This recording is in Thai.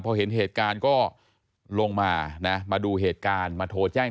พอเห็นเหตุการณ์ก็ลงมานะมาดูเหตุการณ์มาโทรแจ้ง